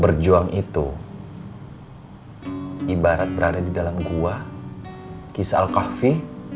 berjuang itu ibarat berada di dalam gua kisa al kofi